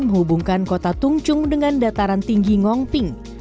menghubungkan kota tung chung dengan dataran tinggi ngong ping